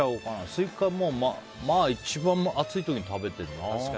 スイカ、一番暑い時に食べてるな。